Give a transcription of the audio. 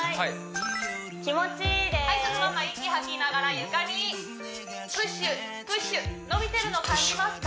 気持ちいいですそのまま息吐きながら床にプッシュプッシュ伸びてるの感じますか？